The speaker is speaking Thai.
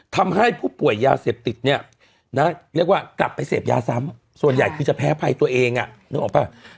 ทำให้ผู้ป่วยยาเสพติดเนี่ยนะเรียกว่ากลับไปเสพยาซ้ำส่วนใหญ่คือจะแพ้ภัยตัวเองนึกออกป่ะ